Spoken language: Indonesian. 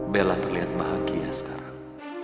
bella terlihat bahagia sekarang